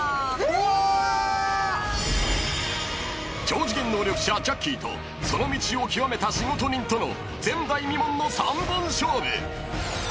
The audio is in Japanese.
［超次元能力者ジャッキーとその道を究めた仕事人との前代未聞の３本勝負！］